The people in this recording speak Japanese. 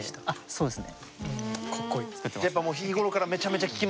そうですね。